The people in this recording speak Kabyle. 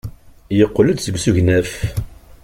Yeqqel-d seg usegnaf.